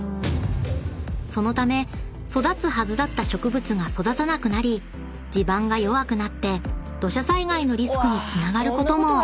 ［そのため育つはずだった植物が育たなくなり地盤が弱くなって土砂災害のリスクにつながることも］